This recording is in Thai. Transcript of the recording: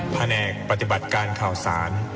แผนกปฏิบัติการข่าวสาร